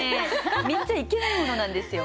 見ちゃいけないものなんですよ。